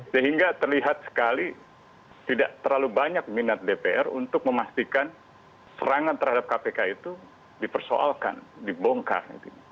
sehingga terlihat sekali tidak terlalu banyak minat dpr untuk memastikan serangan terhadap kpk itu dipersoalkan dibongkar